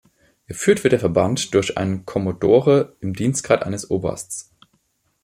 Geführt wird der Verband durch einen Kommodore im Dienstgrad eines Obersts.